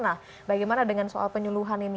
nah bagaimana dengan soal penyuluhan ini